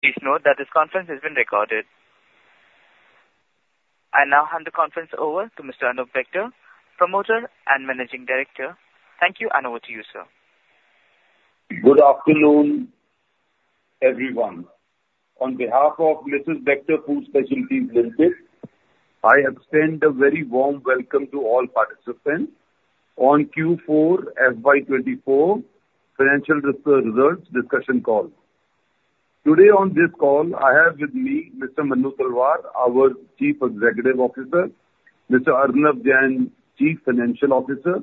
Please note that this conference has been recorded. I now hand the conference over to Mr. Anoop Bector, Promoter and Managing Director. Thank you, and over to you, sir. Good afternoon, everyone. On behalf of Mrs. Bectors Food Specialities Ltd, I extend a very warm welcome to all participants on Q4 FY24 Financial Results Discussion Call. Today on this call, I have with me Mr. Manu Talwar, our Chief Executive Officer, Mr. Arnav Jain, Chief Financial Officer,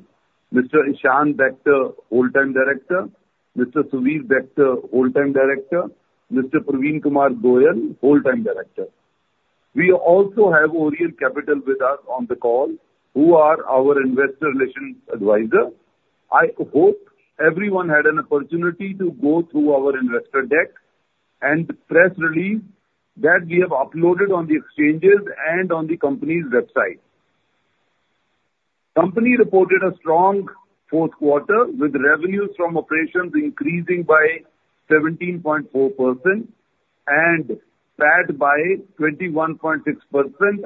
Mr. Ishaan Bector, Whole-Time Director, Mr. Suvir Bector, Whole-Time Director, Mr. Parveen Kumar Goel, Whole-Time Director. We also have Orient Capital with us on the call, who are our Investor Relations Advisor. I hope everyone had an opportunity to go through our investor deck and press release that we have uploaded on the exchanges and on the company's website. Company reported a strong fourth quarter, with revenues from operations increasing by 17.4% and PAT by 21.6%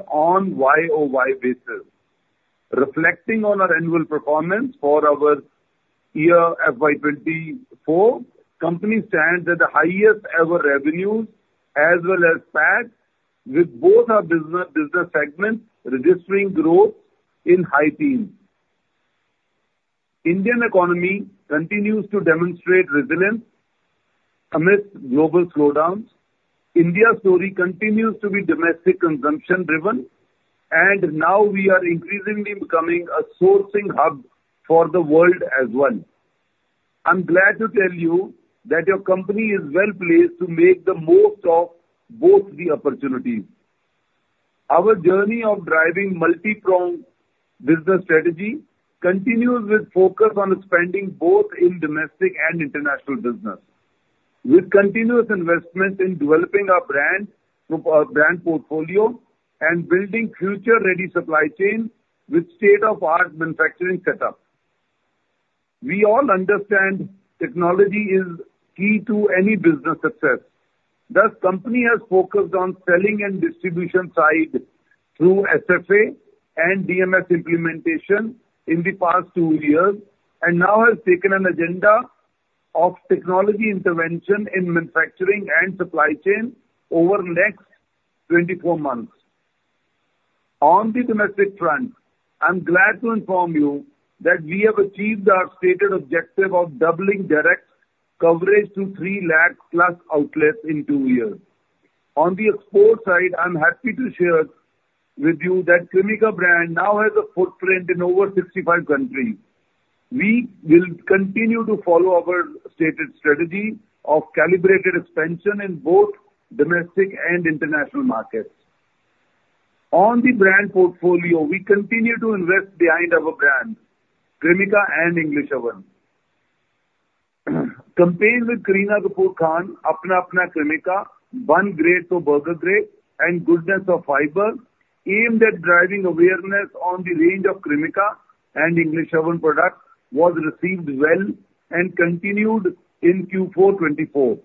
on YoY basis. Reflecting on our annual performance for our year FY2024, company stands at the highest-ever revenues as well as PAT, with both our business segments registering growth in high teens. Indian economy continues to demonstrate resilience amidst global slowdowns. India's story continues to be domestic consumption-driven, and now we are increasingly becoming a sourcing hub for the world as well. I'm glad to tell you that your company is well placed to make the most of both the opportunities. Our journey of driving multi-pronged business strategy continues with focus on spending both in domestic and international business, with continuous investments in developing our brand portfolio and building future-ready supply chains with state-of-the-art manufacturing setups. We all understand technology is key to any business success. Thus, company has focused on selling and distribution side through SFA and DMS implementation in the past two years and now has taken an agenda of technology intervention in manufacturing and supply chain over the next 24 months. On the domestic front, I'm glad to inform you that we have achieved our stated objective of doubling direct coverage to 300,000+ outlets in two years. On the export side, I'm happy to share with you that Cremica brand now has a footprint in over 65 countries. We will continue to follow our stated strategy of calibrated expansion in both domestic and international markets. On the brand portfolio, we continue to invest behind our brands, Cremica and English Oven. Campaign with Kareena Kapoor Khan, Apna Apna Cremica, Bun Great, toh Burger Great, and Goodness of Fiber aimed at driving awareness on the range of Cremica and English Oven products was received well and continued in Q4 2024.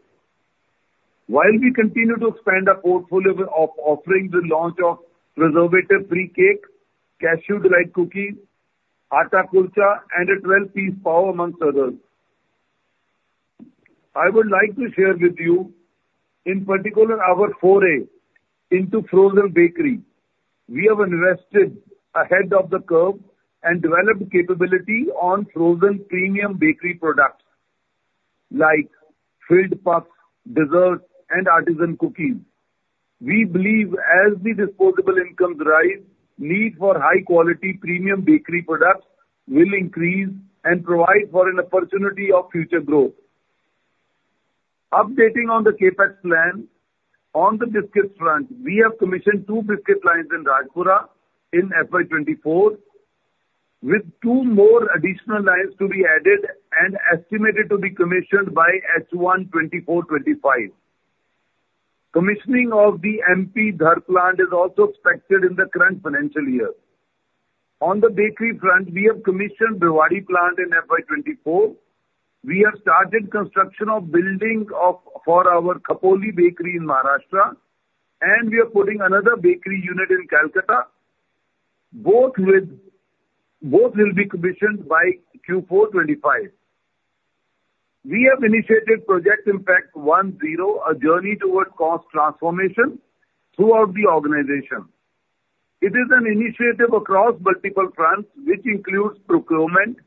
While we continue to expand our portfolio of offering the launch of preservative-free cake, Cashew Delight Cookies, Atta Kulcha, and a 12-piece Pav, amongst others, I would like to share with you, in particular our foray into frozen bakery. We have invested ahead of the curve and developed capability on frozen premium bakery products like filled puffs, desserts, and artisan cookies. We believe as the disposable incomes rise, the need for high-quality premium bakery products will increase and provide for an opportunity of future growth. Updating on the CapEx plan, on the biscuits front, we have commissioned two biscuit lines in Rajpura in FY 2024, with two more additional lines to be added and estimated to be commissioned by H1 2024/2025. Commissioning of the Dhar plant is also expected in the current financial year. On the bakery front, we have commissioned Bhiwadi plant in FY 2024. We have started construction of the building for our Khopoli bakery in Maharashtra, and we are putting another bakery unit in Kolkata, both will be commissioned by Q4/2025. We have initiated Project Impact 1.0, a journey towards cost transformation throughout the organization. It is an initiative across multiple fronts, which includes procurement,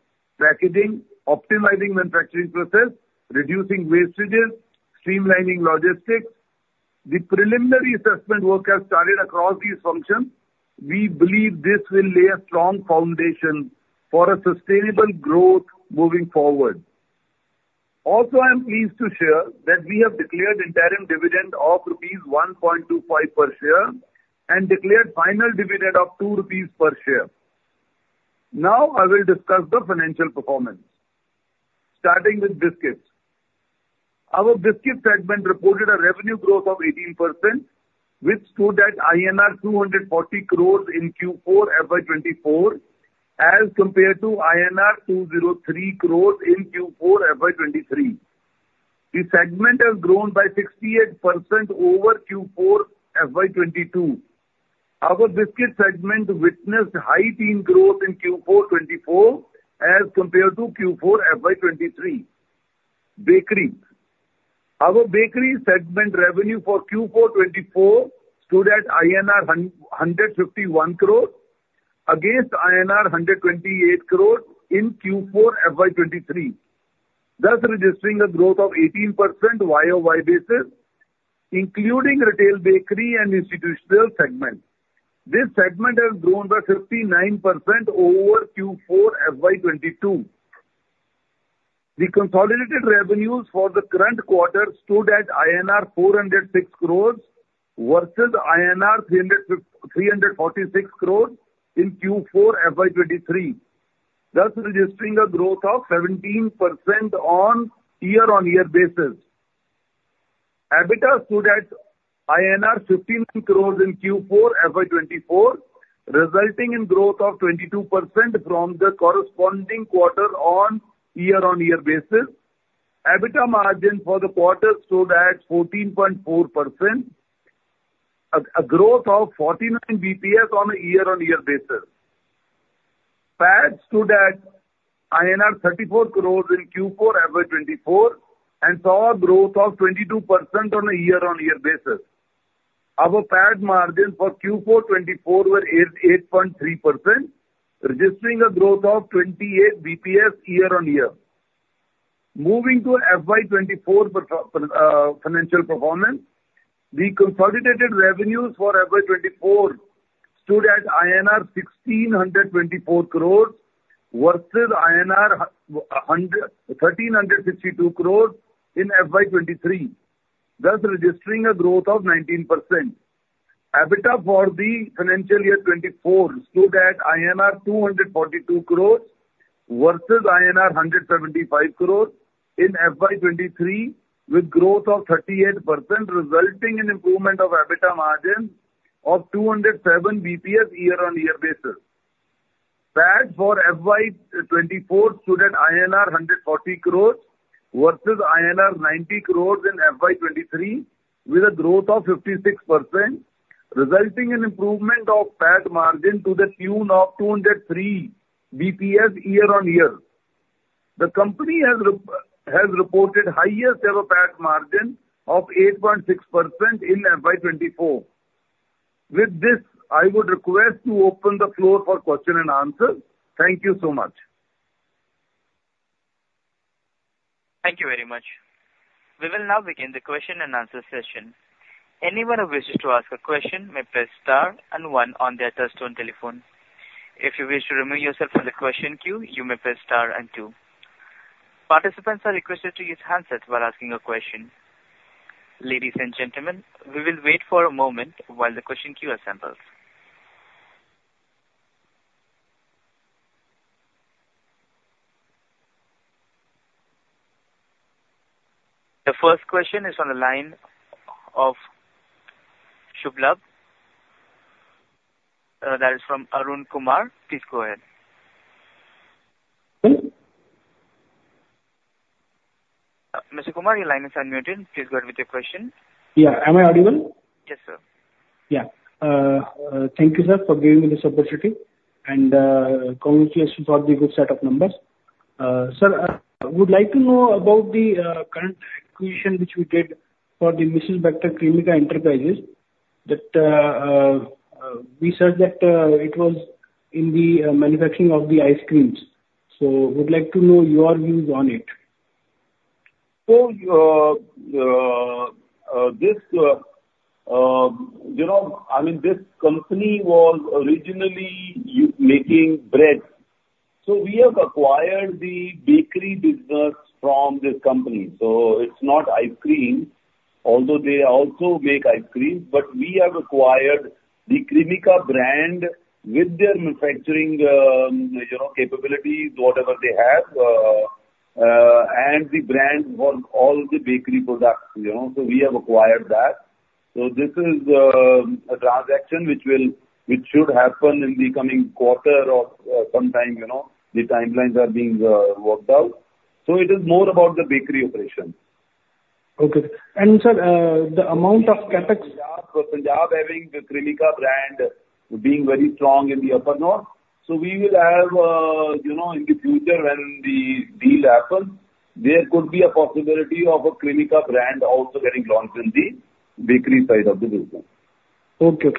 packaging, optimizing manufacturing processes, reducing wastages, and streamlining logistics. The preliminary assessment work has started across these functions. We believe this will lay a strong foundation for sustainable growth moving forward. Also, I am pleased to share that we have declared interim dividend of 1.25 per share and declared final dividend of 2 rupees per share. Now I will discuss the financial performance, starting with biscuits. Our Biscuit segment reported a revenue growth of 18%, which stood at INR 240 crores in Q4 FY 2024 as compared to INR 203 crores in Q4 FY 2023. The segment has grown by 68% over Q4/FY 2022. Our Biscuit segment witnessed high-teen growth in Q4/2024 as compared to Q4/2023. Bakeries: Our Bakery segment revenue for Q4 2024 stood at INR 151 crores against INR 128 crores in Q4 2023, thus registering a growth of 18% YoY basis, including retail Bakery and institutional segments. This segment has grown by 59% over Q4/FY 2022. The consolidated revenues for the current quarter stood at INR 406 crores versus 346 crores in Q4 FY 2023, thus registering a growth of 17% on a year-on-year basis. EBITDA stood at INR 15 crores in Q4 FY 2024, resulting in a growth of 22% from the corresponding quarter on a year-on-year basis. EBITDA margin for the quarter stood at 14.4%, a growth of 49 basis points on a year-on-year basis. PAT stood at INR 34 crores in Q4 2024 and saw a growth of 22% on a year-on-year basis. Our PAT margin for Q4 2024 was 8.3%, registering a growth of 28 basis points year-on-year. Moving to FY 2024 financial performance, the consolidated revenues for FY 2024 stood at INR 1,624 crores versus INR 1,362 crores in FY 2023, thus registering a growth of 19%. EBITDA for the financial year 2024 stood at INR 242 crores versus INR 175 crores in FY 2023, with a growth of 38%, resulting in an improvement of EBITDA margin of 207 basis points year-on-year basis. PAT for FY 2024 stood at INR 140 crores versus INR 90 crores in FY 2023, with a growth of 56%, resulting in an improvement of PAT margin to the tune of 203 basis points year-on-year. The company has reported the highest-ever PAT margin of 8.6% in FY 2024. With this, I would request to open the floor for questions and answers. Thank you so much. Thank you very much. We will now begin the question and answers session. Anyone who wishes to ask a question may press star and one on their touch-tone telephone. If you wish to remove yourself from the question queue, you may press star and two. Participants are requested to use handsets while asking a question. Ladies and gentlemen, we will wait for a moment while the question queue assembles. The first question is on the line of Subh Labh. That is from Arun Kumar. Please go ahead. Mr. Kumar, your line is unmuted. Please go ahead with your question. Yeah. Am I audible? Yes, sir. Yeah. Thank you, sir, for giving me this opportunity and congratulations for the good set of numbers. Sir, I would like to know about the current acquisition which we did for the Mrs. Bectors Cremica Enterprises. We said that it was in the manufacturing of the ice creams. So I would like to know your views on it. So this I mean, this company was originally making bread. So we have acquired the Bakery business from this company. So it's not ice cream, although they also make ice creams. But we have acquired the Cremica brand with their manufacturing capabilities, whatever they have, and the brand for all the bakery products. So we have acquired that. So this is a transaction which should happen in the coming quarter or sometime. The timelines are being worked out. So it is more about the bakery operation. Okay. Sir, the amount of CapEx. For Punjab having the Cremica brand being very strong in the Upper North. So we will have in the future when the deal happens, there could be a possibility of a Cremica brand also getting launched in the bakery side of the business. Okay.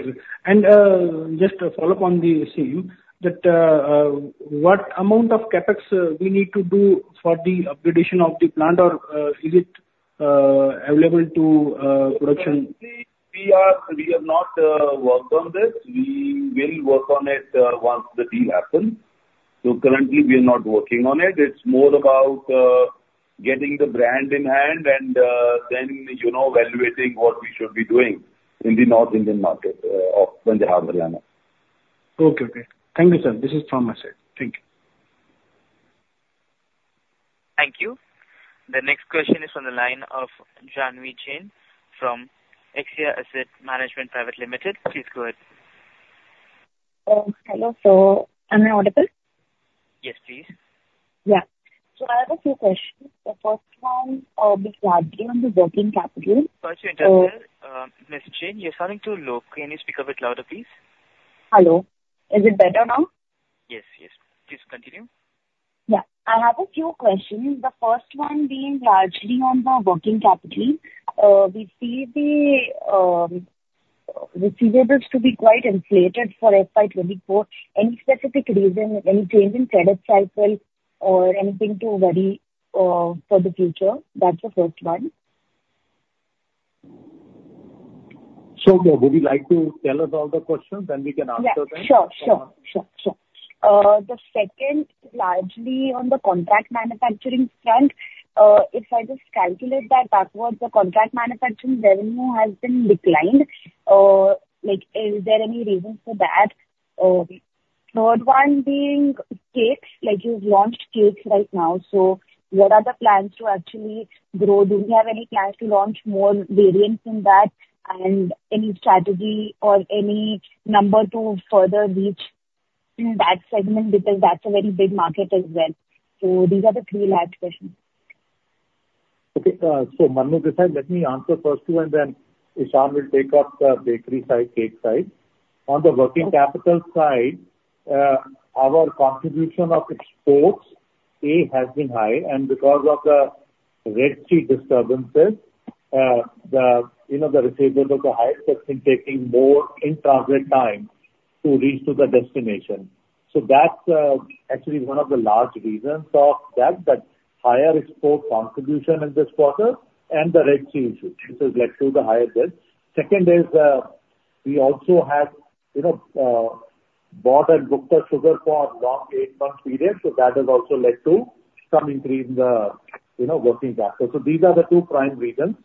Just to follow up on the same, what amount of CapEx we need to do for the upgradation of the plant, or is it available to production? Currently, we have not worked on this. We will work on it once the deal happens. So currently, we are not working on it. It's more about getting the brand in hand and then evaluating what we should be doing in the North Indian market of Punjab, Haryana. Okay. Thank you, sir. This is from my side. Thank you. Thank you. The next question is on the line of Janhavi Jain from Axia Asset Management Private Limited. Please go ahead. Hello. So am I audible? Yes, please. Yeah. I have a few questions. The first one will be largely on the working capital. Sorry to interrupt there, Ms. Jain. You're starting to look. Can you speak a bit louder, please? Hello. Is it better now? Yes. Please continue. Yeah. I have a few questions. The first one being largely on the working capital. We see the receivables to be quite inflated for FY 2024. Any specific reason, any change in credit cycle or anything for the future? That's the first one. Would you like to tell us all the questions, and we can answer them? Yeah. Sure. Sure. Sure. Sure. The second, largely on the contract manufacturing front, if I just calculate that backwards, the contract manufacturing revenue has been declined. Is there any reason for that? Third one being cakes. You've launched cakes right now. So what are the plans to actually grow? Do we have any plans to launch more variants than that and any strategy or any number to further reach that segment because that's a very big market as well? So these are the three last questions. Okay. So Manu here, let me answer first two, and then Ishaan will take up the bakery side, cake side. On the working capital side, our contribution of exports has been high. And because of the Red Sea disturbances, the receivables are higher, so it's been taking more in-transit time to reach the destination. So that's actually one of the large reasons of that, that higher export contribution in this quarter and the Red Sea issue. This has led to the higher debt. Second is we also had bought and booked a sugar for a long eight-month period. So that has also led to some increase in the working capital. So these are the two prime reasons,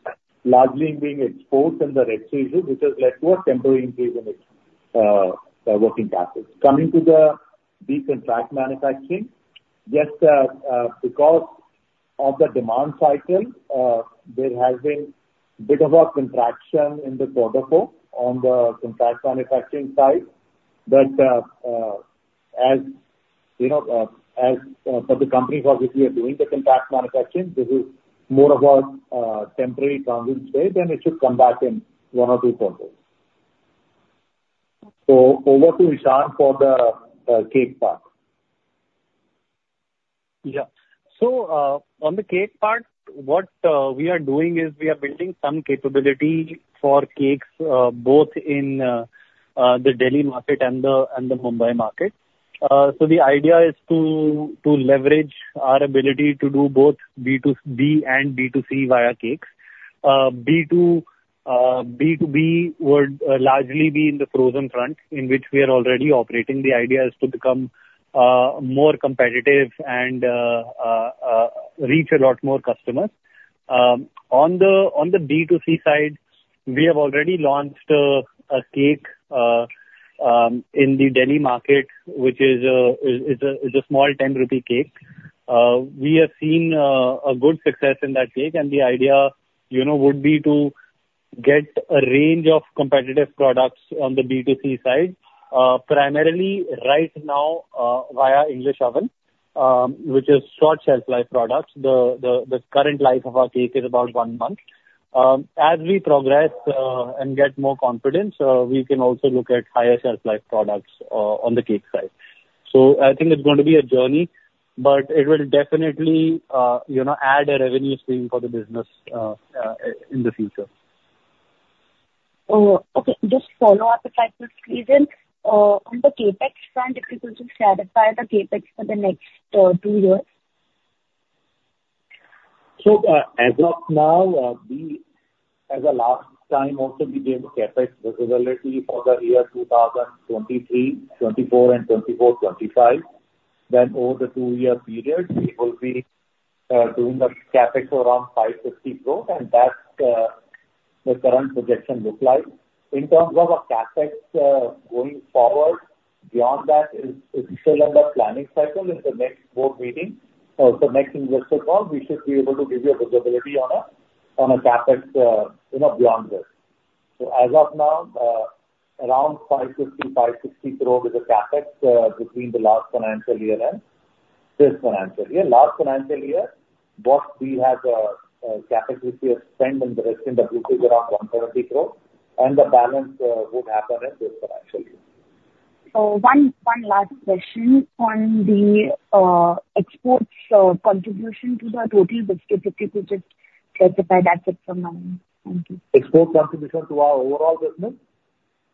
largely being exports and the Red Sea issue, which has led to a temporary increase in working capital. Coming to the contract manufacturing, just because of the demand cycle, there has been a bit of a contraction in the quarter four on the contract manufacturing side. But for the companies for which we are doing the contract manufacturing, this is more of a temporary transit phase, and it should come back in one or two quarters. So over to Ishan for the cake part. Yeah. So on the cake part, what we are doing is we are building some capability for cakes both in the Delhi market and the Mumbai market. So the idea is to leverage our ability to do both B2B and B2C via cakes. B2B would largely be in the frozen front in which we are already operating. The idea is to become more competitive and reach a lot more customers. On the B2C side, we have already launched a cake in the Delhi market, which is a small 10 rupee cake. We have seen a good success in that cake. And the idea would be to get a range of competitive products on the B2C side, primarily right now via English Oven, which is short shelf-life products. The current life of our cake is about one month. As we progress and get more confidence, we can also look at higher shelf-life products on the cake side. So I think it's going to be a journey, but it will definitely add a revenue stream for the business in the future. Okay. Just follow up a second, please. On the CapEx front, if you could just clarify the CapEx for the next two years. So as of now, as the last time also, we gave CapEx visibility for the year 2023, 2024, and 2024, 2025. Then over the two-year period, we will be doing the CapEx around 550 crore, and that's what the current projection looks like. In terms of our CapEx going forward, beyond that, it's still under planning cycle in the next board meeting. So next investor call, we should be able to give you a visibility on a CapEx beyond this. So as of now, around 550-560 crore is the CapEx between the last financial year and this financial year. Last financial year, what we have CapEx which we have spent in the rest of the group is around 170 crore. And the balance would happen in this financial year. One last question on the exports contribution to the total business. If you could just clarify, that's it from my end. Thank you. Export contribution to our overall business?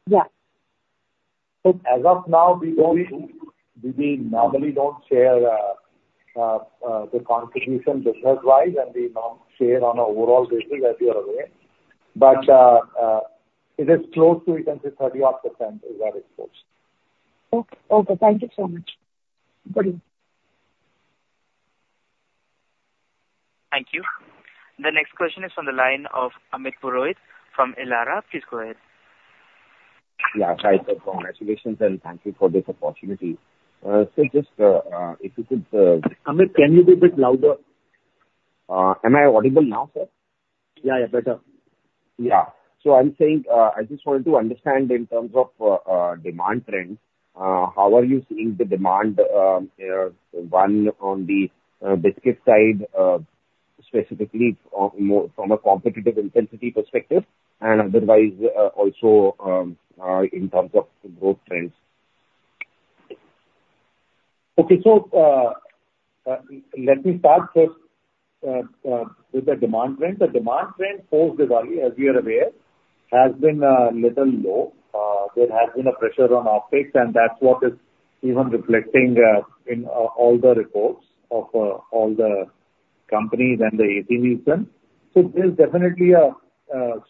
Yeah. As of now, we normally don't share the contribution business-wise, and we share on an overall basis, as you are aware. It is close to, you can say, 30-odd percent of our exports. Okay. Thank you so much. Good luck. Thank you. The next question is on the line of Amit Purohit from Elara Capital. Please go ahead. Yeah. Congratulations, and thank you for this opportunity. Sir, just if you could. Amit, can you be a bit louder? Am I audible now, sir? Yeah. Yeah. Better. Yeah. So I'm saying I just wanted to understand in terms of demand trends, how are you seeing the demand, one on the Biscuit side, specifically from a competitive intensity perspective, and otherwise also in terms of growth trends? Okay. So let me start first with the demand trend. The demand trend, as you are aware, has been a little low. There has been a pressure on volumes, and that's what is even reflecting in all the reports of all the companies and the peers then. So there's definitely a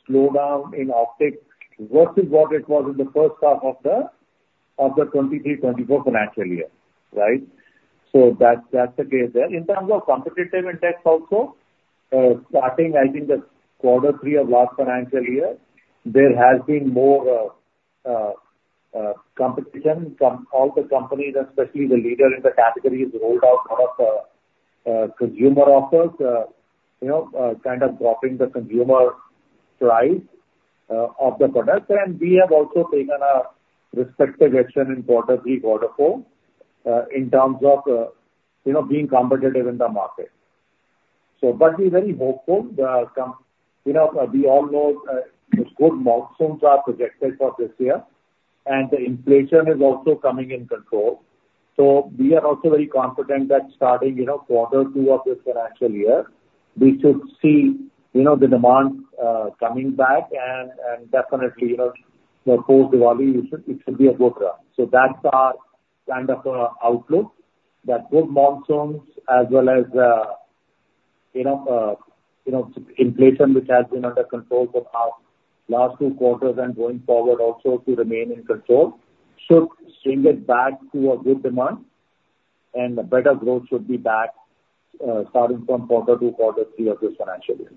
slowdown in volumes versus what it was in the first half of the 2023, 2024 financial year, right? So that's the case there. In terms of competitive index also, starting, I think, the quarter three of last financial year, there has been more competition from all the companies, especially the leader in the category is rolled out a lot of consumer offers, kind of dropping the consumer price of the products. And we have also taken a respective action in quarter three, quarter four in terms of being competitive in the market. But we're very hopeful. We all know good monsoons are projected for this year, and the inflation is also coming in control. So we are also very confident that starting quarter two of this financial year, we should see the demand coming back. And definitely, post-Diwali, it should be a good run. That's our kind of outlook, that good monsoons as well as inflation, which has been under control for the last two quarters and going forward also to remain in control, should strengthen back to a good demand. Better growth should be back starting from quarter two, quarter three of this financial year.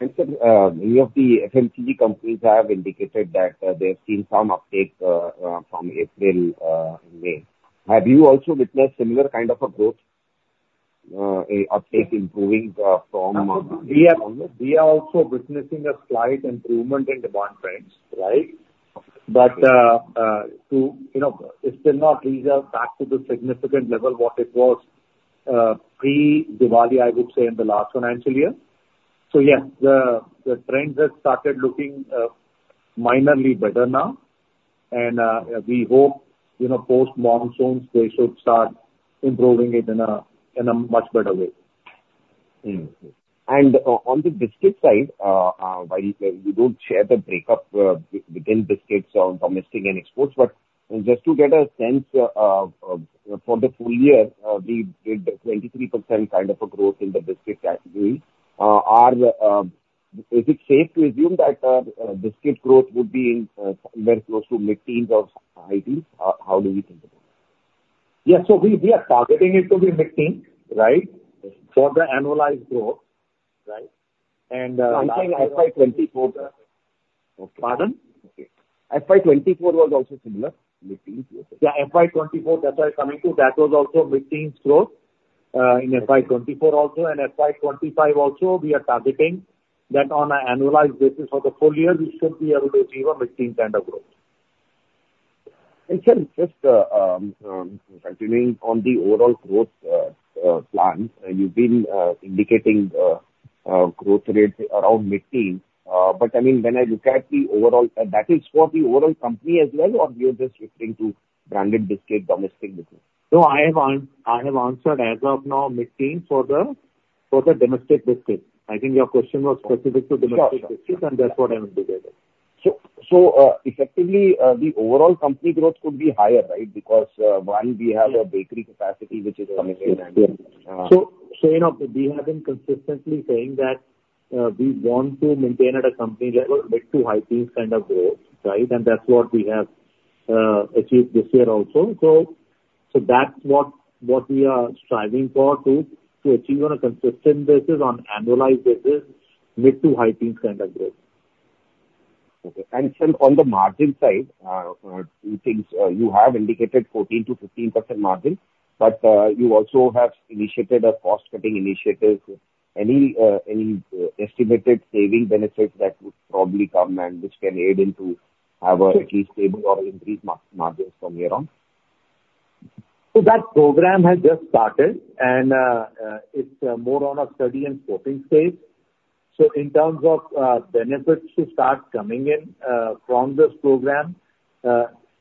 Sir, some of the FMCG companies have indicated that they have seen some uptake from April, May. Have you also witnessed similar kind of a growth uptake improving from? We are also witnessing a slight improvement in demand trends, right? But it's still not reached back to the significant level what it was pre-Diwali, I would say, in the last financial year. So yes, the trends have started looking minorly better now. And we hope post-monsoons, they should start improving it in a much better way. On the Biscuit side, while you don't share the breakup within Biscuits on domestic and exports, but just to get a sense for the full year, we did 23% kind of a growth in the Biscuit category. Is it safe to assume that Biscuit growth would be somewhere close to mid-teens or high-teens? How do we think about it? Yeah. So we are targeting it to be mid-teens, right, for the annualized growth, right? And. I'm saying FY 2024. Pardon? Okay. FY24 was also similar, mid-teens. Yeah. FY 2024, that's what I'm coming to. That was also mid-teens growth in FY 2024 also. FY 2025 also, we are targeting that on an annualized basis for the full year, we should be able to achieve a mid-teens kind of growth. And sir, just continuing on the overall growth plan, you've been indicating growth rates around mid-teens. But I mean, when I look at the overall, that is for the overall company as well, or you're just referring to branded Biscuit, domestic business? No, I have answered as of now mid-teens for the domestic biscuit. I think your question was specific to domestic biscuit, and that's what I'm indicating. Effectively, the overall company growth could be higher, right, because, one, we have a Bakery capacity which is coming in and. We have been consistently saying that we want to maintain at a company level mid to high-teens kind of growth, right? That's what we have achieved this year also. That's what we are striving for, to achieve on a consistent basis, on annualized basis, mid- to high-teens kind of growth. Okay. And sir, on the margin side, you have indicated 14%-15% margin, but you also have initiated a cost-cutting initiative. Any estimated saving benefits that would probably come and which can aid into having at least stable or increased margins from here on? That program has just started, and it's more on a study and scoping phase. In terms of benefits to start coming in from this program,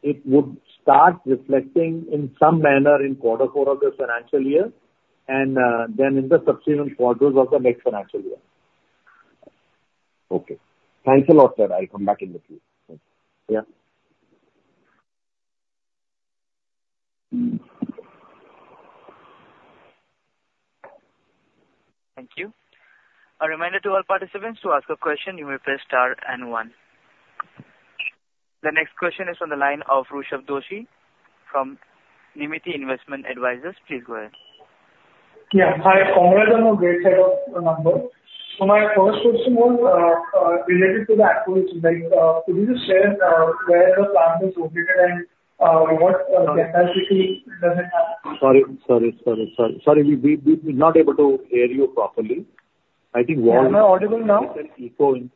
it would start reflecting in some manner in quarter four of this financial year and then in the subsequent quarters of the next financial year. Okay. Thanks a lot, sir. I'll come back in with you. Yeah. Thank you. A reminder to all participants to ask a question. You may press star and one. The next question is on the line of Rushabh Doshi from Nirmiti Investment Advisors. Please go ahead. Yeah. Hi. Congrats on a great set of numbers. My first question was related to the acquisition. Could you just share where the plant is located and what capacity does it have? Sorry. We're not able to hear you properly. I think Wall. Am I audible now? Keep going.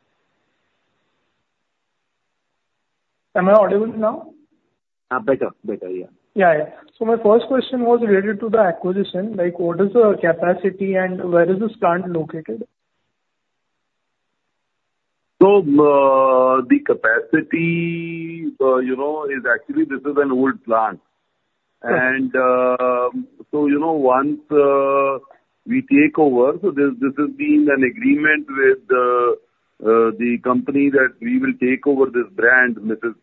Am I audible now? Better. Better. Yeah. Yeah. Yeah. So my first question was related to the acquisition. What is the capacity and where is this plant located? So the capacity is actually this is an old plant. So once we take over, this has been an agreement with the company that we will take over this brand, Mrs.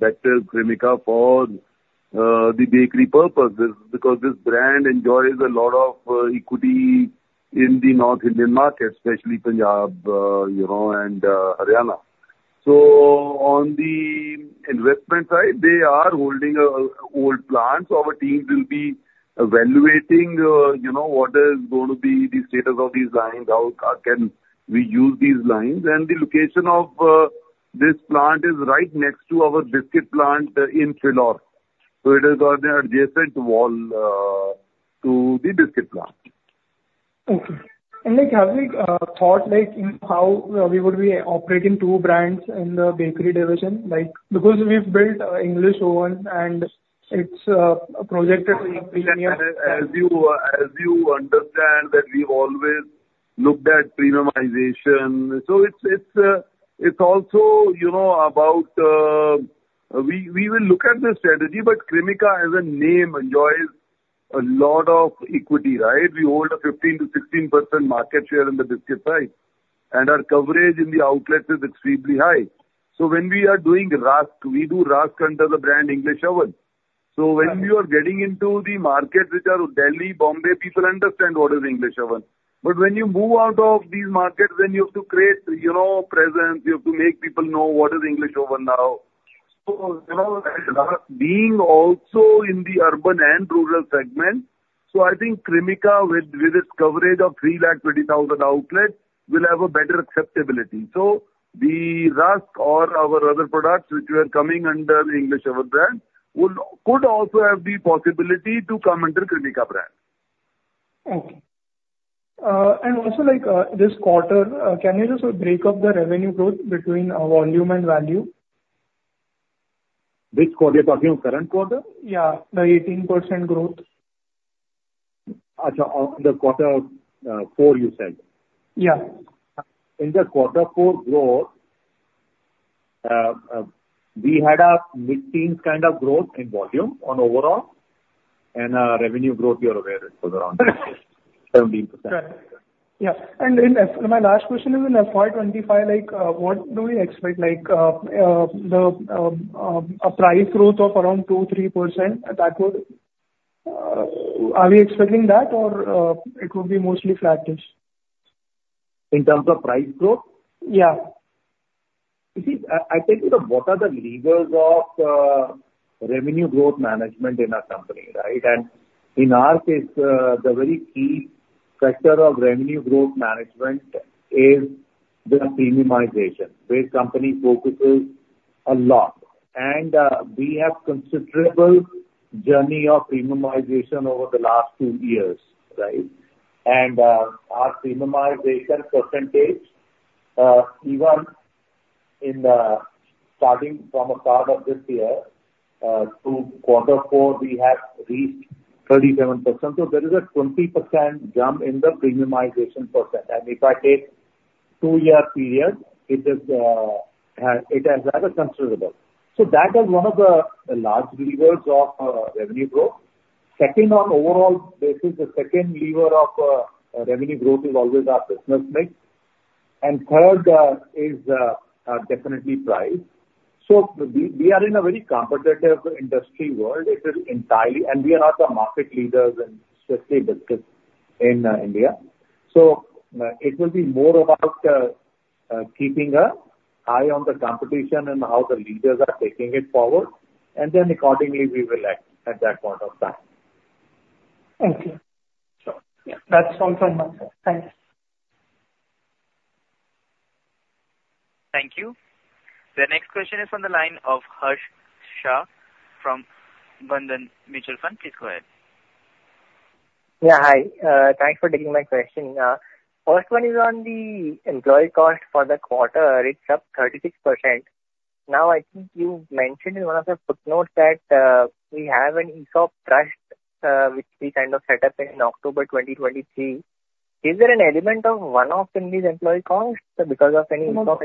Bectors Cremica, for the Bakery purpose because this brand enjoys a lot of equity in the North Indian market, especially Punjab and Haryana. So on the investment side, they are holding old plants. Our teams will be evaluating what is going to be the status of these lines, how can we use these lines. And the location of this plant is right next to our biscuit plant in Phillaur. So it has got an adjacent wall to the biscuit plant. Okay. And have you thought how we would be operating two brands in the bakery division? Because we've built English Oven, and it's projected to be a millennium. As you understand that we've always looked at premiumization. So it's also about we will look at this strategy, but Cremica, as a name, enjoys a lot of equity, right? We hold a 15%-16% market share in the Biscuit side, and our coverage in the outlets is extremely high. So when we are doing rusk, we do rusk under the brand English Oven. So when you are getting into the markets, which are Delhi, Bombay, people understand what is English Oven. But when you move out of these markets, then you have to create presence. You have to make people know what is English Oven now. So being also in the urban and rural segment, so I think Cremica, with its coverage of 320,000 outlets, will have a better acceptability. So the rusk or our other products, which were coming under the English Oven brand, could also have the possibility to come under Cremica brand. Okay. Also this quarter, can you just break up the revenue growth between volume and value? Which quarter? You're talking of current quarter? Yeah. The 18% growth. The quarter four, you said? Yeah. In the quarter four growth, we had a mid-teens kind of growth in volume on overall and revenue growth, you're aware, it was around 17%. Correct. Yeah. My last question is, in FY 2025, what do we expect? A price growth of around 2%-3%, are we expecting that, or it would be mostly flattish? In terms of price growth? Yeah. You see, I tell you what are the levers of revenue growth management in our company, right? And in our case, the very key factor of revenue growth management is the premiumization, where the company focuses a lot. And we have a considerable journey of premiumization over the last two years, right? And our premiumization percentage, even starting from the start of this year, through quarter four, we have reached 37%. So there is a 20% jump in the premiumization percent. And if I take a two-year period, it has rather considerable. So that is one of the large levers of revenue growth. Second, on overall basis, the second lever of revenue growth is always our business mix. And third is definitely price. So we are in a very competitive industry world. And we are not the market leaders, especially biscuits, in India. It will be more about keeping an eye on the competition and how the leaders are taking it forward. Then accordingly, we will act at that point of time. Okay. That's all from me, sir. Thanks. Thank you. The next question is on the line of Harsh Shah from Bandhan Mutual Fund. Please go ahead. Yeah. Hi. Thanks for taking my question. First one is on the employee cost for the quarter. It's up 36%. Now, I think you mentioned in one of the footnotes that we have an ESOP trust, which we kind of set up in October 2023. Is there an element of one-off in these employee costs because of any ESOP?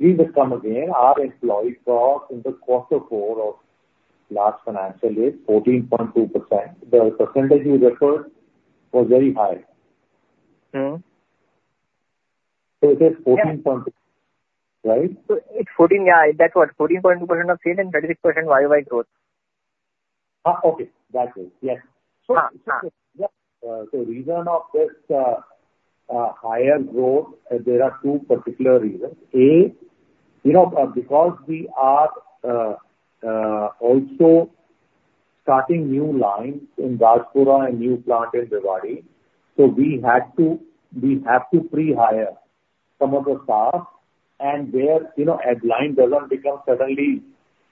We will come again. Our employee cost in the quarter four of last financial year, 14.2%, the percentage you referred was very high. So it is 14.2%, right? It's 14, yeah. That's what, 14.2% of sales and 36% YoY growth? Okay. That's it. Yes. So the reason of this higher growth, there are two particular reasons. A, because we are also starting new lines in Rajpura and new plant in Dhar. So we have to pre-hire some of the staff and where a line doesn't become suddenly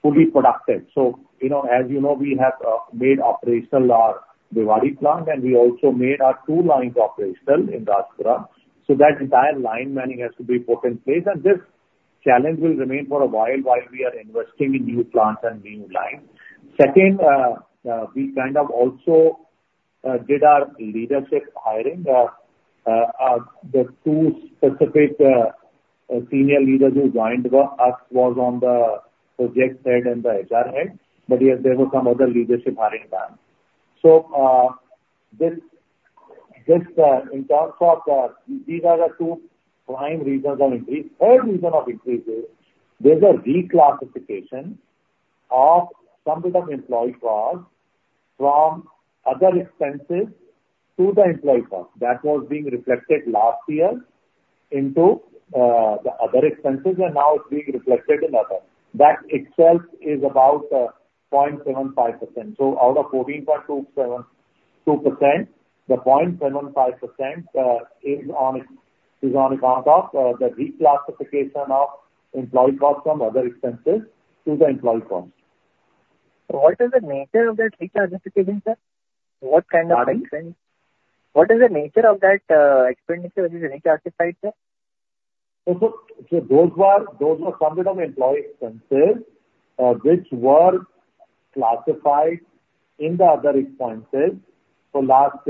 fully productive. So as you know, we have made operational our Dhar plant, and we also made our two lines operational in Rajpura. So that entire line manning has to be put in place. And this challenge will remain for a while while we are investing in new plants and new lines. Second, we kind of also did our leadership hiring. The two specific senior leaders who joined us was the project head and the HR head. But yes, there were some other leadership hiring times. So in terms of these are the two prime reasons of increase. Third reason of increase is there's a reclassification of some bit of employee cost from other expenses to the employee cost. That was being reflected last year into the other expenses, and now it's being reflected in others. That itself is about 0.75%. So out of 14.2%, the 0.75% is on account of the reclassification of employee cost from other expenses to the employee cost. So what is the nature of that reclassification, sir? What kind of expense? What is the nature of that expenditure which is reclassified, sir? Those were some bit of employee expenses which were classified in the other expenses for last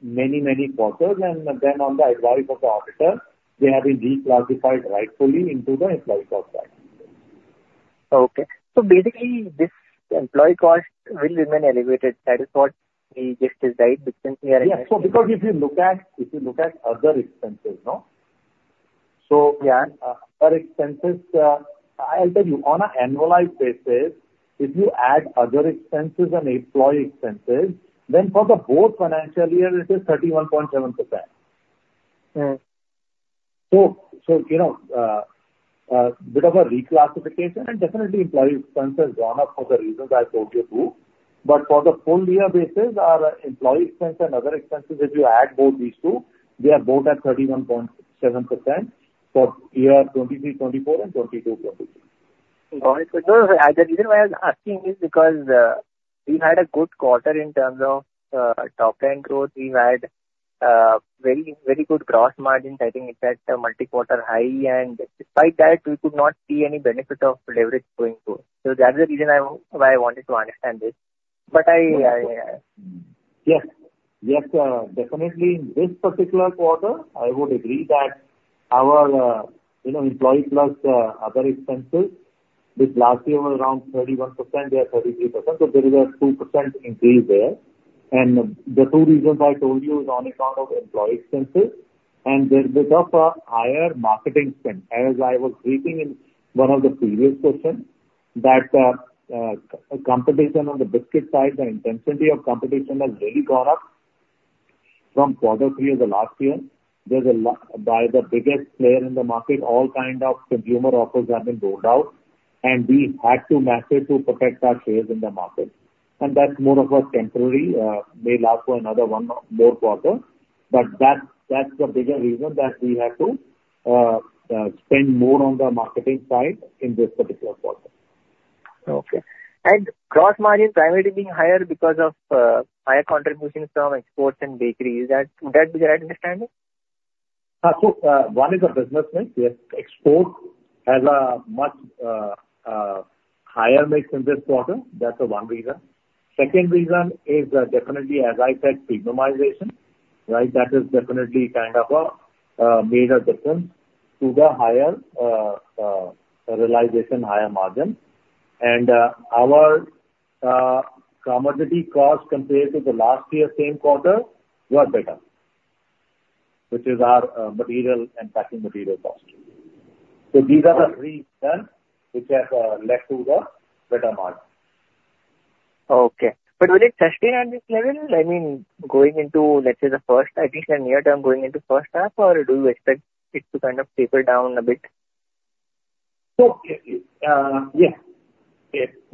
many, many quarters. Then on the advice of the auditor, they have been reclassified rightfully into the employee cost side. Okay. So basically, this employee cost will remain elevated. That is what we just decided since we are investing. Yeah. So because if you look at other expenses, no? So other expenses, I'll tell you, on an annualized basis, if you add other expenses and employee expenses, then for both financial years, it is 31.7%. So a bit of a reclassification, and definitely, employee expenses gone up for the reasons I told you too. But for the full-year basis, our employee expense and other expenses, if you add both these two, they are both at 31.7% for year 2023, 2024, and 2022, 2023. The reason why I was asking is because we've had a good quarter in terms of top-line growth. We've had very good gross margins. I think it's at multi-quarter high. And despite that, we could not see any benefit of leverage going through. That's the reason why I wanted to understand this. But I. Yes. Yes. Definitely, in this particular quarter, I would agree that our employee plus other expenses, which last year was around 31%, they are 33%. So there is a 2% increase there. And the two reasons I told you is on account of employee expenses and there's a bit of a higher marketing spend. As I was reading in one of the previous questions, that competition on the Biscuit side, the intensity of competition has really gone up from quarter three of the last year. By the biggest player in the market, all kinds of consumer offers have been rolled out. And we had to master it to protect our shares in the market. And that's more of a temporary. May last for another one more quarter. But that's the bigger reason that we had to spend more on the marketing side in this particular quarter. Okay. Gross margin primarily being higher because of higher contributions from exports and bakeries. Would that be the right understanding? So one is a business mix. Yes. Export has a much higher mix in this quarter. That's one reason. Second reason is definitely, as I said, premiumization, right? That has definitely kind of made a difference to the higher realization, higher margin. And our commodity cost compared to the last year's same quarter were better, which is our material and packing material cost. So these are the three reasons which have led to the better margin. Okay. But will it sustain at this level? I mean, going into, let's say, the first, at least in the near term, going into first half, or do you expect it to kind of taper down a bit? Yes.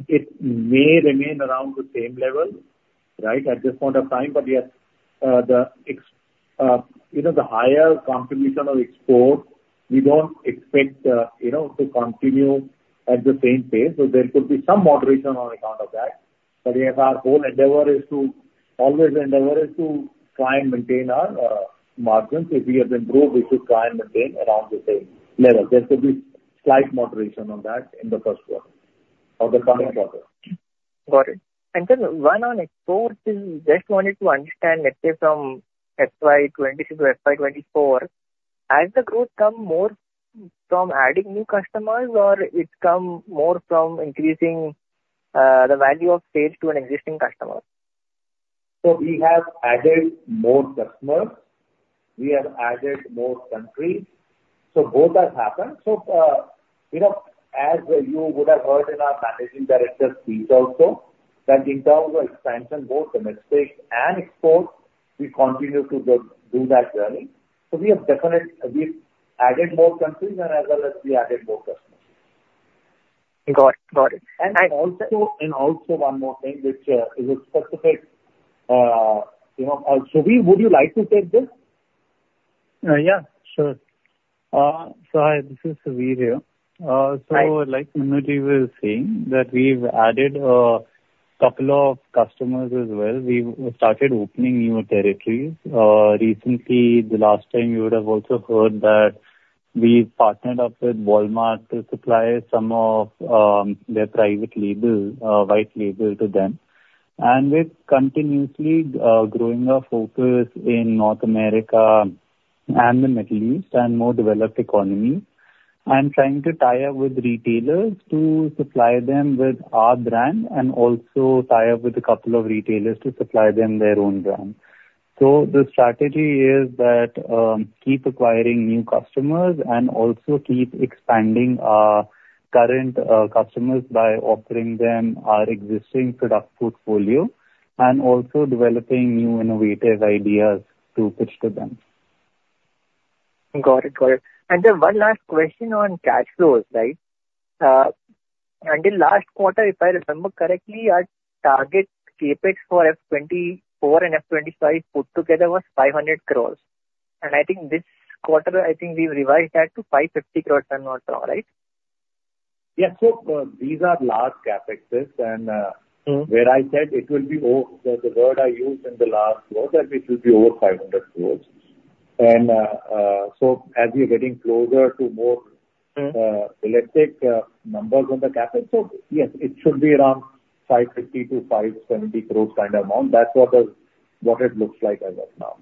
It may remain around the same level, right, at this point of time. But yes, the higher contribution of export, we don't expect to continue at the same pace. So there could be some moderation on account of that. But yes, our whole endeavor is to always try and maintain our margins. If we have seen growth, we should try and maintain around the same level. There could be slight moderation on that in the first quarter or the coming quarter. Got it. And then one on exports, I just wanted to understand, let's say, from FY 2023 to FY 2024, has the growth come more from adding new customers, or it's come more from increasing the value of sales to an existing customer? So we have added more customers. We have added more countries. So both have happened. So as you would have heard in our Managing Director's speech also, that in terms of expansion, both domestic and export, we continue to do that journey. So we have added more countries, and as well as we added more customers. Got it. Got it. And also. And also one more thing, which is a specific, so would you like to take this? Yeah. Sure. So hi. This is Suvir here. So like Manu was saying, that we've added a couple of customers as well. We started opening new territories recently. The last time, you would have also heard that we partnered up with Walmart to supply some of their private label, white label to them. And we're continuously growing our focus in North America and the Middle East and more developed economies and trying to tie up with retailers to supply them with our brand and also tie up with a couple of retailers to supply them their own brand. So the strategy is that keep acquiring new customers and also keep expanding our current customers by offering them our existing product portfolio and also developing new innovative ideas to pitch to them. Got it. Got it. And then one last question on cash flows, right? Until last quarter, if I remember correctly, our target CapEx for FY 2024 and FY 2025 put together was 500 crores. And I think this quarter, I think we've revised that to 550 crores, if I'm not wrong, right? Yes. So these are large CapExes. And where I said it will be over the word I used in the last quote, that it will be over 500 crores. And so as we are getting closer to more elastic numbers on the CapEx, so yes, it should be around 550-570 crores kind of amount. That's what it looks like as of now.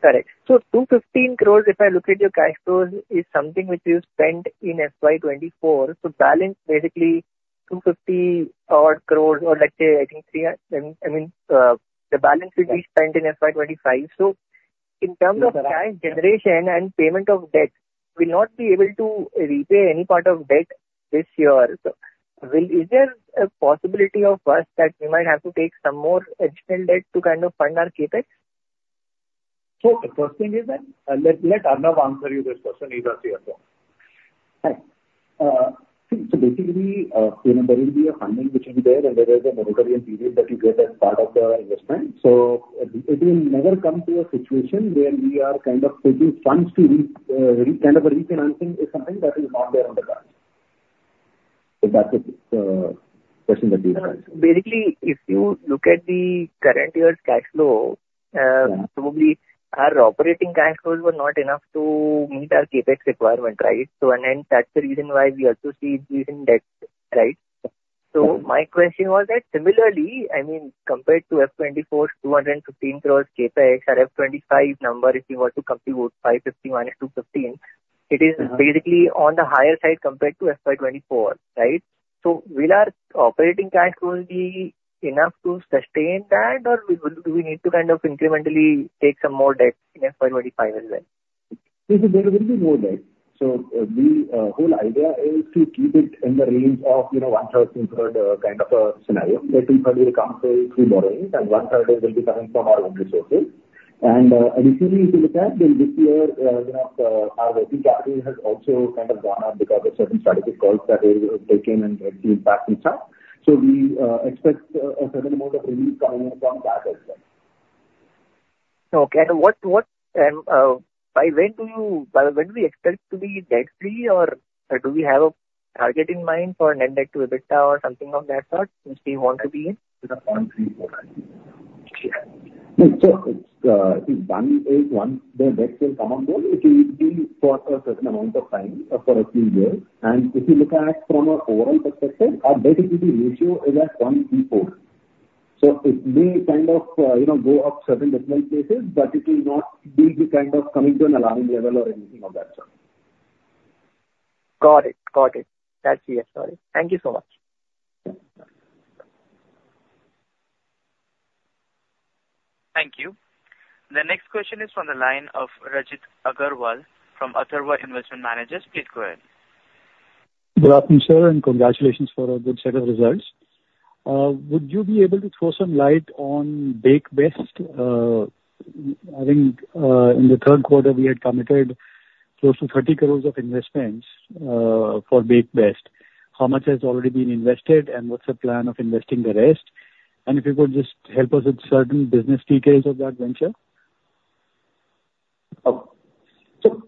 Correct. So 215 crore, if I look at your cash flows, is something which you spent in FY 2024. So balance, basically, 250-odd crore or let's say, I think, I mean, the balance will be spent in FY 2025. So in terms of cash generation and payment of debt, we'll not be able to repay any part of debt this year. So is there a possibility of us that we might have to take some more additional debt to kind of fund our CapEx? The first thing is that let Arnav answer you this question either here or there. Basically, there will be a funding which is there, and there is a monetary impediment that you get as part of the investment. It will never come to a situation where we are kind of putting funds to kind of a refinancing is something that is not there in the past. That's the question that you're asking. Basically, if you look at the current year's cash flow, probably our operating cash flows were not enough to meet our CapEx requirement, right? And then that's the reason why we also see increase in debt, right? So my question was that similarly, I mean, compared to FY 2024's INR 215 crore CapEx, our FY 2025 number, if you want to compute INR 550 crore minus INR 215 crore, it is basically on the higher side compared to FY 2024, right? So will our operating cash flows be enough to sustain that, or do we need to kind of incrementally take some more debt in FY 2025 as well? There will be more debt. So the whole idea is to keep it in the range of 1/3 kind of a scenario that one-third will come through borrowing and 1/3 will be coming from our own resources. Additionally, if you look at it, then this year, our working capital has also kind of gone up because of certain strategic calls that were taken and had the impact and stuff. So we expect a certain amount of relief coming in from that as well. Okay. And by when do we expect to be debt-free, or do we have a target in mind for net debt to EBITDA or something of that sort which we want to be in? 0.34, I think. Yeah. So one is once the debt will come on board, it will be for a certain amount of time for a few years. And if you look at from an overall perspective, our debt-to-equity ratio is at 0.34. So it may kind of go up certain different places, but it will not be kind of coming to an alarming level or anything of that sort. Got it. Got it. That's it. Sorry. Thank you so much. Thank you. The next question is from the line of Rajit Agrawal from Atharva Investment Managers. Please go ahead. Good afternoon, sir, and congratulations for a good set of results. Would you be able to throw some light on Bakebest? I think in the third quarter, we had committed close to 30 crore of investments for Bakebest. How much has already been invested, and what's the plan of investing the rest? And if you could just help us with certain business details of that venture. So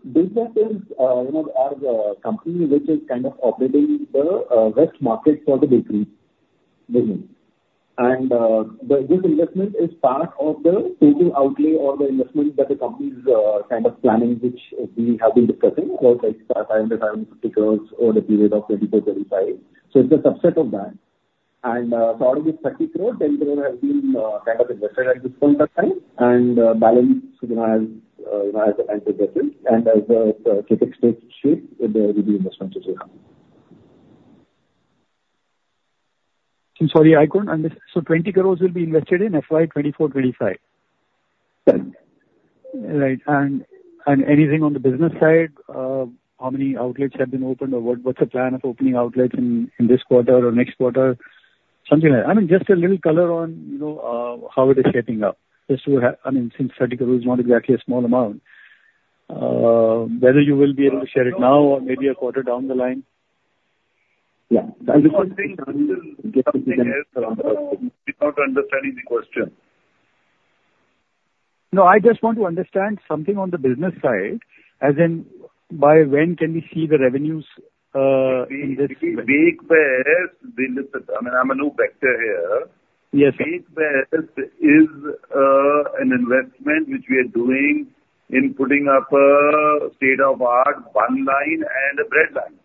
Bakebest is our company which is kind of operating the west market for the bakery business. And this investment is part of the total outlay or the investment that the company's kind of planning, which we have been discussing about INR 500 crore-INR 550 crore over the period of 2024, 2025. So it's a subset of that. And so out of this 30 crore, 10 crore have been kind of invested at this point of time, and balance has been invested. And as the CapEx takes shape, there will be investments as well. I'm sorry. I couldn't understand. So 20 crore will be invested in FY 2024, 2025? Correct. Right. Anything on the business side? How many outlets have been opened, or what's the plan of opening outlets in this quarter or next quarter? Something like that. I mean, just a little color on how it is shaping up. I mean, since INR 30 crore is not exactly a small amount, whether you will be able to share it now or maybe a quarter down the line? Yeah. And the first thing I still get something else around the question. Without understanding the question. No, I just want to understand something on the business side, as in by when can we see the revenues in this? Bakebest, I mean, I'm Anoop Bector here. Bakebest is an investment which we are doing in putting up a state-of-the-art bun line and a bread line,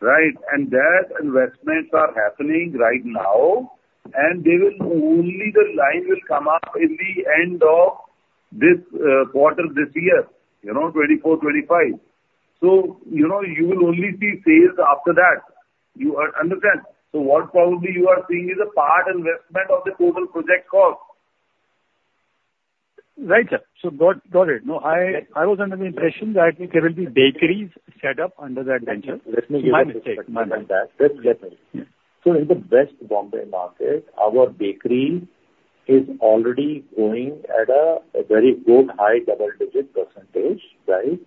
right? And that investments are happening right now, and only the line will come up in the end of this quarter of this year, 2024, 2025. So you will only see sales after that. You understand? So what probably you are seeing is a part investment of the total project cost. Right, sir. So, got it. No, I was under the impression that there will be bakeries set up under that venture. Let me give you my mistake. My mistake. So in the best Bombay market, our bakery is already going at a very good high double-digit percentage, right?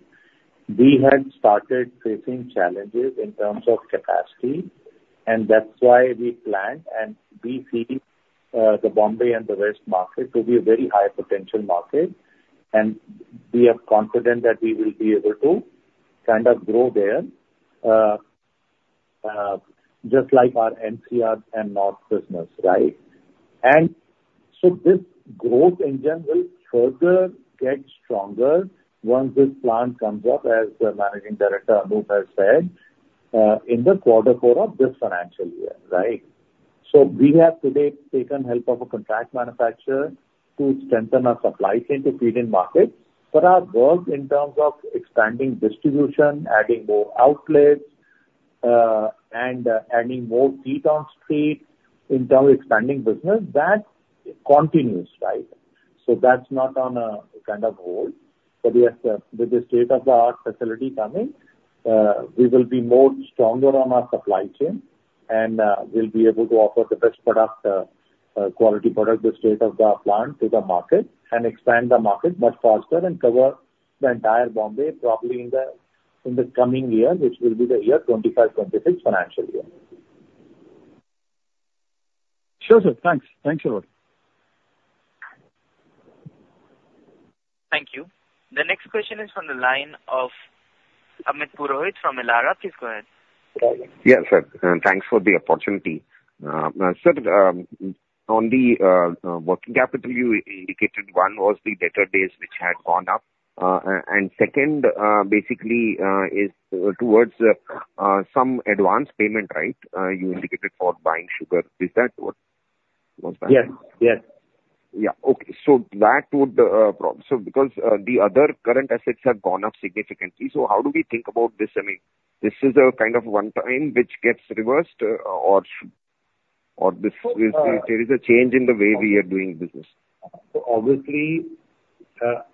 We had started facing challenges in terms of capacity, and that's why we planned and we see the Bombay and the west market to be a very high potential market. We are confident that we will be able to kind of grow there just like our NCR and North business, right? So this growth engine will further get stronger once this plan comes up, as the Managing Director, Anoop, has said, in the quarter four of this financial year, right? So we have today taken help of a contract manufacturer to strengthen our supply chain to feed in markets for our work in terms of expanding distribution, adding more outlets, and adding more feet on street in terms of expanding business. That continues, right? So that's not on a kind of hold. But yes, with the state-of-the-art facility coming, we will be more stronger on our supply chain, and we'll be able to offer the best product, quality product, the state-of-the-art plant to the market and expand the market much faster and cover the entire Bombay probably in the coming year, which will be the year 2025, 2026 financial year. Sure, sir. Thanks. Thanks a lot. Thank you. The next question is from the line of Amit Purohit from Elara. Please go ahead. Yes, sir. Thanks for the opportunity. Sir, on the working capital, you indicated one was the debtor days which had gone up. And second, basically, is towards some advance payment, right? You indicated for buying sugar. Is that what was that? Yes. Yes. Yeah. Okay. So that would so because the other current assets have gone up significantly, so how do we think about this? I mean, this is a kind of one-time which gets reversed, or there is a change in the way we are doing business? So obviously,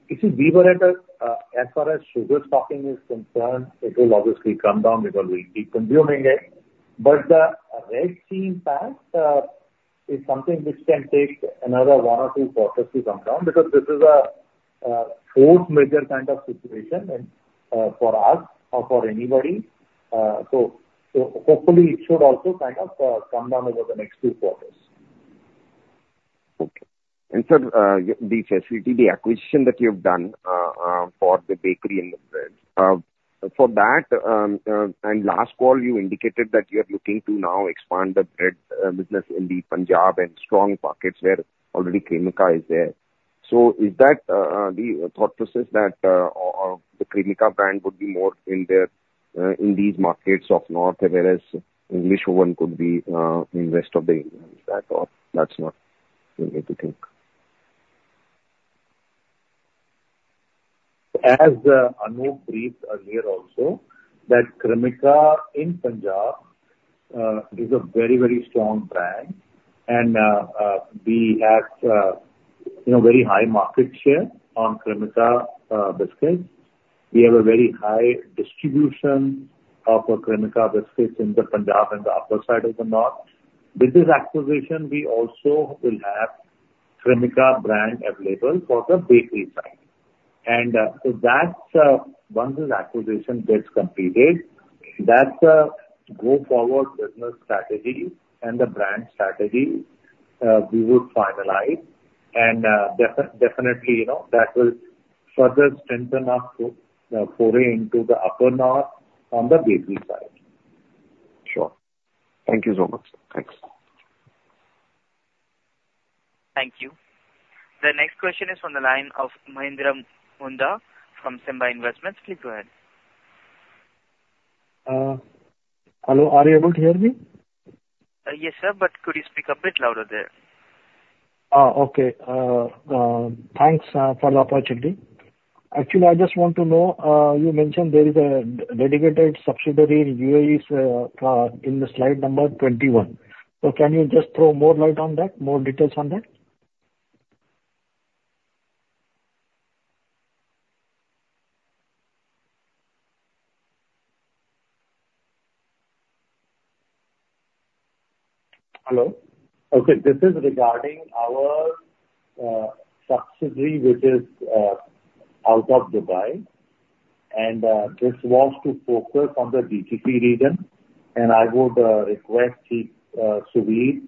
if we were at as far as sugar stocking is concerned, it will obviously come down because we'll keep consuming it. But the Red Sea path is something which can take another one or two quarters to come down because this is a fourth major kind of situation for us or for anybody. So hopefully, it should also kind of come down over the next two quarters. Okay. And sir, the facility, the acquisition that you've done for the bakery and the bread, for that and last call, you indicated that you are looking to now expand the bread business in the Punjab and strong markets where already Cremica is there. So is that the thought process that the Cremica brand would be more in these markets of North, whereas English Oven could be in the rest of the India? Is that or that's not something to think? As Anoop briefed earlier also, that Cremica in Punjab is a very, very strong brand, and we have very high market share on Cremica biscuits. We have a very high distribution of Cremica biscuits in the Punjab and the upper side of the North. With this acquisition, we also will have Cremica brand available for the bakery side. And once this acquisition gets completed, that's a go-forward business strategy, and the brand strategy we would finalize. And definitely, that will further strengthen up foray into the upper North on the Bakery side. Sure. Thank you so much. Thanks. Thank you. The next question is from the line of Mahendra Nandha from Sama Investments. Please go ahead. Hello. Are you able to hear me? Yes, sir, but could you speak a bit louder there? Okay. Thanks for the opportunity. Actually, I just want to know, you mentioned there is a dedicated subsidiary in the U.A.E in the slide number 21. So can you just throw more light on that, more details on that? Hello? Okay. This is regarding our subsidiary which is out of Dubai. This was to focus on the GCC region. I would request Suvir,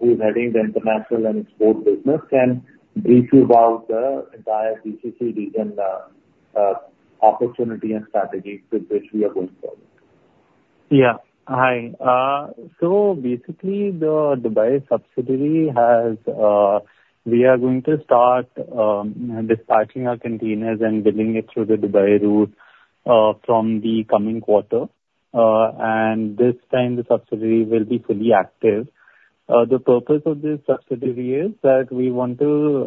who's heading the international and export business, can brief you about the entire GCC region opportunity and strategy with which we are going forward. Yeah. Hi. So basically, the Dubai subsidiary, we are going to start dispatching our containers and billing it through the Dubai route from the coming quarter. And this time, the subsidiary will be fully active. The purpose of this subsidiary is that we want to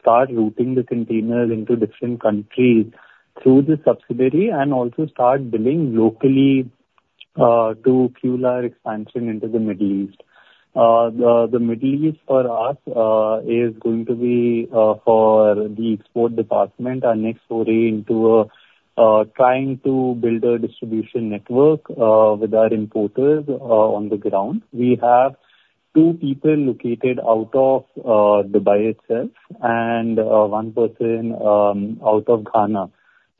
start routing the containers into different countries through the subsidiary and also start billing locally to QSR expansion into the Middle East. The Middle East for us is going to be for the export department, our next foray into trying to build a distribution network with our importers on the ground. We have two people located out of Dubai itself and one person out of Ghana.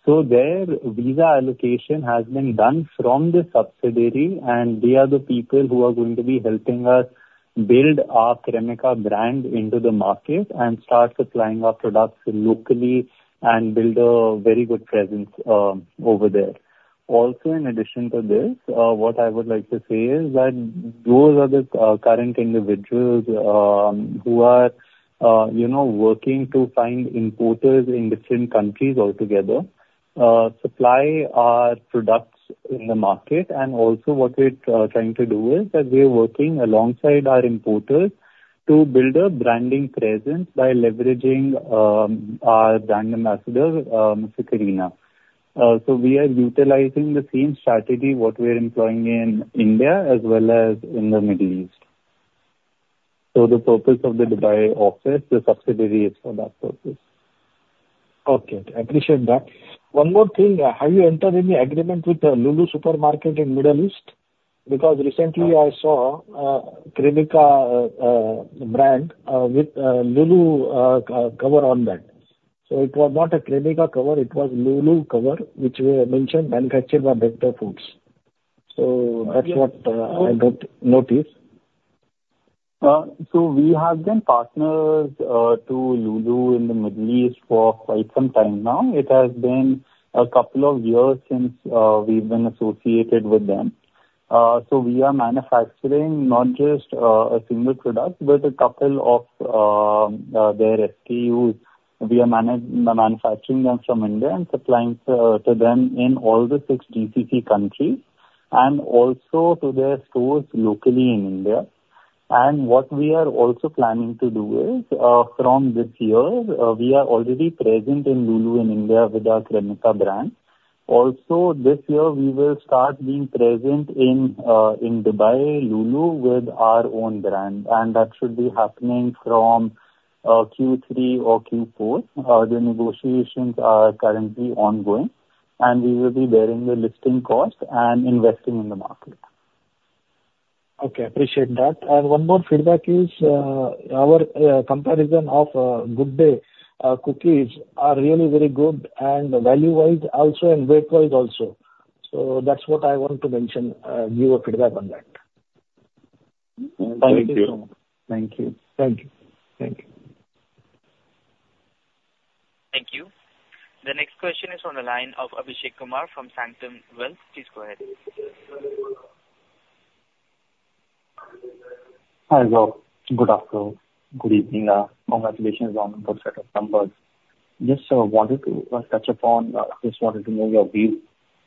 So their visa allocation has been done from the subsidiary, and they are the people who are going to be helping us build our Cremica brand into the market and start supplying our products locally and build a very good presence over there. Also, in addition to this, what I would like to say is that those are the current individuals who are working to find importers in different countries altogether, supply our products in the market. And also what we're trying to do is that we are working alongside our importers to build a branding presence by leveraging our brand ambassador, Ms. Kareena. So we are utilizing the same strategy what we are employing in India as well as in the Middle East. So the purpose of the Dubai office, the subsidiary is for that purpose. Okay. I appreciate that. One more thing. Have you entered any agreement with Lulu Supermarket in the Middle East? Because recently, I saw Cremica brand with Lulu cover on that. So it was not a Cremica cover. It was Lulu cover which mentioned manufactured by Bector Foods. So that's what I noticed. So we have been partners to Lulu in the Middle East for quite some time now. It has been a couple of years since we've been associated with them. So we are manufacturing not just a single product but a couple of their SKUs. We are manufacturing them from India and supplying to them in all the six GCC countries and also to their stores locally in India. And what we are also planning to do is from this year, we are already present in Lulu in India with our Cremica brand. Also, this year, we will start being present in Dubai, Lulu with our own brand. That should be happening from Q3 or Q4. The negotiations are currently ongoing, and we will be bearing the listing cost and investing in the market. Okay. I appreciate that. One more feedback is our comparison of Good Day Cookies are really very good value-wise also and weight-wise also. That's what I want to mention, give you feedback on that. Thank you. Thank you. Thank you. Thank you. Thank you. The next question is on the line of Abhishek Kumar from Sanctum Wealth. Please go ahead. Hi, sir. Good afternoon. Good evening. Congratulations on the set of numbers. Just wanted to touch upon. Just wanted to know your view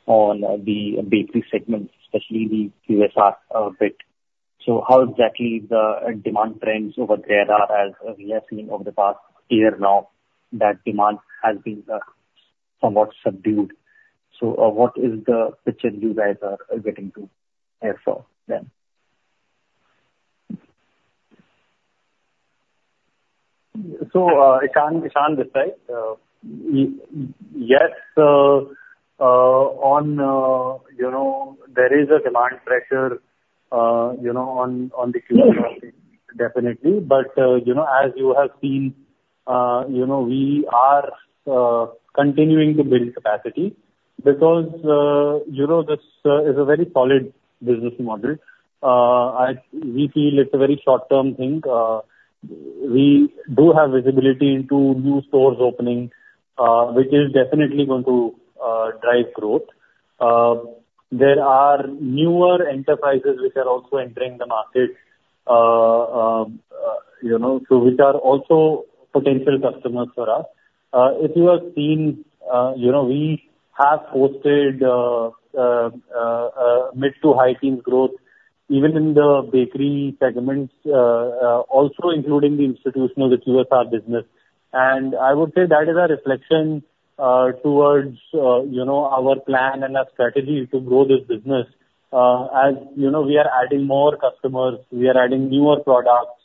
on the bakery segment, especially the QSR bit. So how exactly the demand trends over there are, as we have seen over the past year. Now that demand has been somewhat subdued. So what is the picture you guys are getting to here from then? So I can't decide. Yes, there is a demand pressure on the QSR thing, definitely. But as you have seen, we are continuing to build capacity because this is a very solid business model. We feel it's a very short-term thing. We do have visibility into new stores opening, which is definitely going to drive growth. There are newer enterprises which are also entering the market, so which are also potential customers for us. If you have seen, we have posted mid- to high-teens growth even in the bakery segments, also including the institutional QSR business. And I would say that is a reflection towards our plan and our strategy to grow this business as we are adding more customers. We are adding newer products.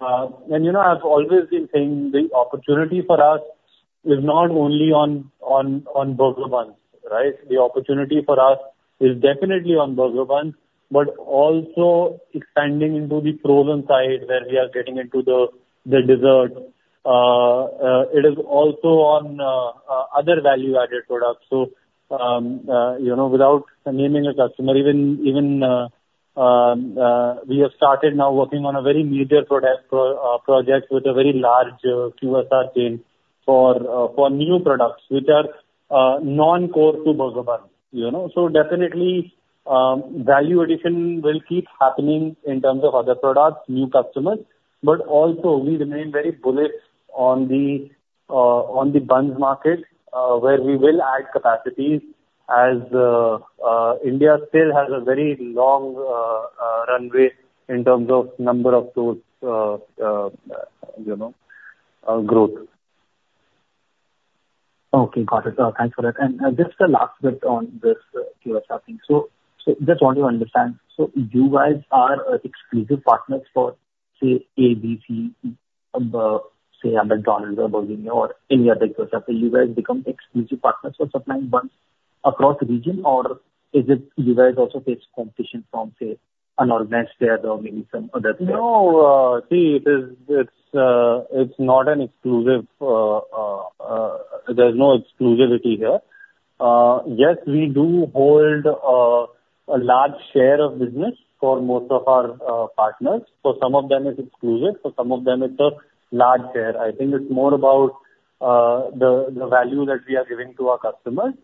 And I've always been saying the opportunity for us is not only on burger buns, right? The opportunity for us is definitely on burger buns, but also expanding into the frozen side where we are getting into the desserts. It is also on other value-added products. So without naming a customer, even we have started now working on a very major project with a very large QSR chain for new products which are non-core to burger buns. So definitely, value addition will keep happening in terms of other products, new customers. But also, we remain very bullish on the buns market where we will add capacities as India still has a very long runway in terms of number of stores growth. Okay. Got it. Thanks for that. And just the last bit on this QSR thing. So just want to understand, so you guys are exclusive partners for, say, ABC, say, a McDonald's or a Burger King or any other QSR. So you guys become exclusive partners for supplying buns across the region, or is it you guys also face competition from, say, an organized player or maybe some other player? No. See, it's not an exclusive. There's no exclusivity here. Yes, we do hold a large share of business for most of our partners. For some of them, it's exclusive. For some of them, it's a large share. I think it's more about the value that we are giving to our customers.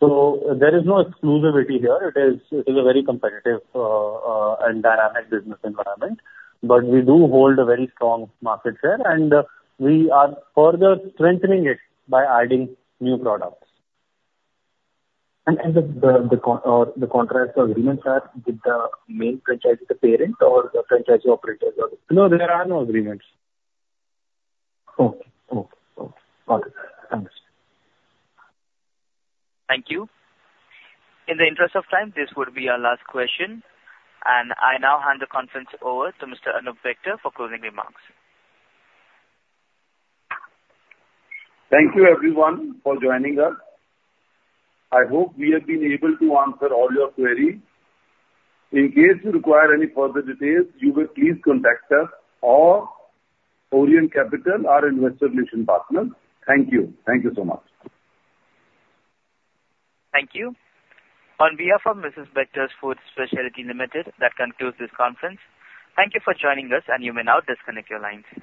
So there is no exclusivity here. It is a very competitive and dynamic business environment. But we do hold a very strong market share, and we are further strengthening it by adding new products. The contracts or agreements are with the main franchise, the parent, or the franchise operator? No, there are no agreements. Okay. Okay. Okay. Got it. Thanks. Thank you. In the interest of time, this would be our last question. I now hand the conference over to Mr. Anoop Bector for closing remarks. Thank you, everyone, for joining us. I hope we have been able to answer all your queries. In case you require any further details, you will please contact us or Orient Capital, our Investor Relations partner. Thank you. Thank you so much. Thank you. On behalf of Mrs. Bectors Food Specialities Limited, that concludes this conference. Thank you for joining us, and you may now disconnect your lines.